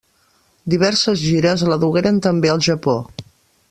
Diverses gires la dugueren també al Japó.